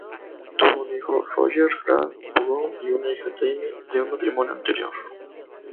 Tuvo un hijo, Roger Grant Brown, y una hija, Tammy, de un matrimonio anterior.